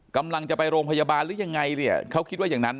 กำลังจะไปโรงพยาบาลหรือยังไงเนี่ยเขาคิดว่าอย่างนั้น